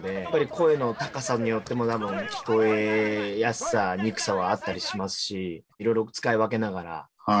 声の高さによっても聞こえやすさにくさはあったりしますしいろいろ使い分けながら。